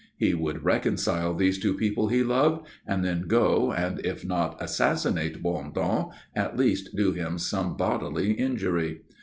He would reconcile these two people he loved, and then go and, if not assassinate Bondon, at least do him some bodily injury.